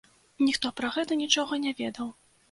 Ніхто пра гэта нічога не ведаў.